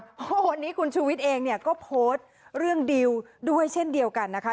เพราะว่าวันนี้คุณชูวิทย์เองเนี่ยก็โพสต์เรื่องดิวด้วยเช่นเดียวกันนะคะ